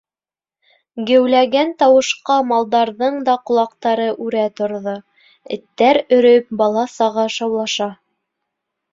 Геүләгән тауышҡа малдарҙың да ҡолаҡтары үрә торҙо, эттәр өрөп, бала-саға шаулаша.